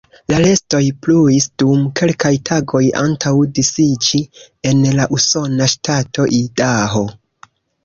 La restoj pluis dum kelkaj tagoj antaŭ disiĝi en la usona ŝtato Idaho.